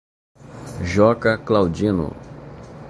Joca Claudino